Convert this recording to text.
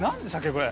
これ。